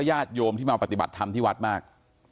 ญาติโยมที่มาปฏิบัติธรรมที่วัดมาก